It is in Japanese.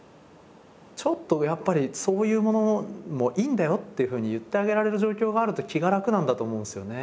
ちょっとやっぱりそういうものもいいんだよっていうふうに言ってあげられる状況があると気が楽なんだと思うんですよね。